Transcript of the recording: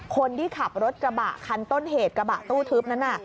คนที่ขับรถกระบะคันต้นเหตุกระบะตู้ทึบนั้นน่ะ